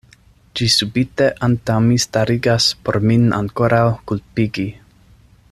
Ĝi subite antaŭ mi stariĝas por min ankoraŭ kulpigi.